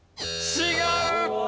違う！